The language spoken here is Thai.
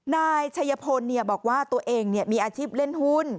นายชัยพลบอกว่าตัวเองมีอาชีพเล่นหุ้น